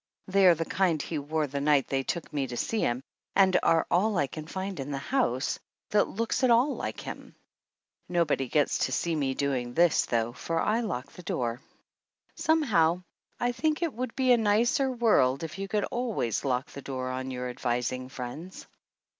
They are the kind he wore the night they took me to see him and are all I can find in the house that looks at 141 THE ANNALS OF ANN all like him. Nobody gets to see me doing this, though, for I lock the door. Somehow I think it would be a nicer world if you could always lock the door on your advising friends.